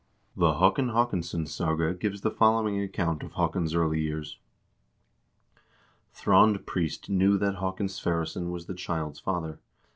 The "Haakon Haakonsson's Saga" gives the following account of Haakon's early years : "Thrond Priest knew that Haakon Sverresson was the child's father.